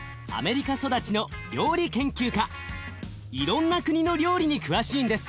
いろんな国の料理に詳しいんです。